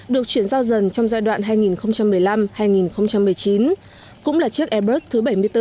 được chuyển giao dần trong giai đoạn hai nghìn một mươi năm hai nghìn một mươi chín cũng là chiếc airbus thứ bảy mươi bốn